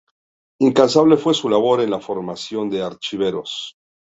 Incansable fue su labor en la formación de archiveros.